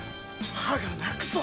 歯が泣くぞ！